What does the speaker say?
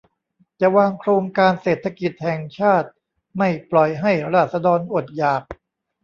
จะวางโครงการเศรษฐกิจแห่งชาติ ไม่ปล่อยให้ราษฎรอดอยาก